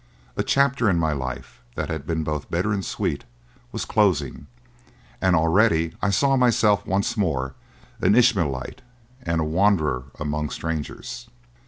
A chapter in my life that had been both bitter and sweet was closing, and already I saw myself once more an Ishmaelite and a wanderer among strangers.